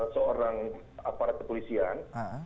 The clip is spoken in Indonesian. seorang aparat kepolisian